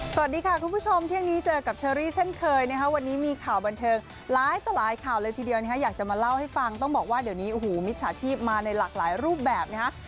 สวัสดีค่ะคุณผู้ชมเที่ยงนี้เจอกับเชอรี่เช่นเคยนะคะวันนี้มีข่าวบันเทิงหลายต่อหลายข่าวเลยทีเดียวนะฮะอยากจะมาเล่าให้ฟังต้องบอกว่าเดี๋ยวนี้โอ้โหมิจฉาชีพมาในหลากหลายรูปแบบนะฮะ